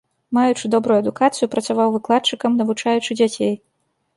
Маючы добрую адукацыю, працаваў выкладчыкам, навучаючы дзяцей.